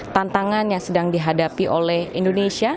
tantangan yang sedang dihadapi oleh indonesia